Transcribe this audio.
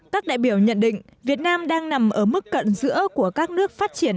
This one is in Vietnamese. các đại biểu nhận định việt nam đang nằm ở mức cận giữa của các nước phát triển